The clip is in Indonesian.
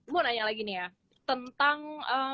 gue nanya lagi nih ya tentang